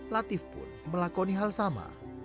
latif pun melakoni hal sama